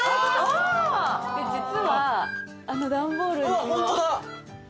実はあの段ボールにも。